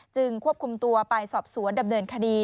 ควบคุมตัวไปสอบสวนดำเนินคดี